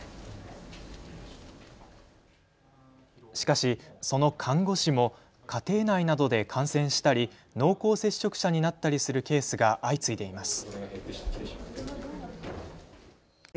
しかし、その看護師も家庭内などで感染したり濃厚接触者になったりするケースが相次いでいます。